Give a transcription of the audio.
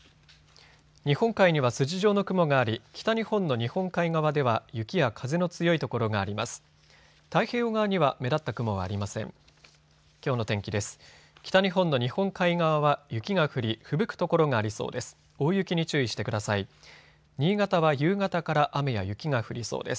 日本海には筋状の雲があり、北日本の日本海側では雪や風の強い所があります。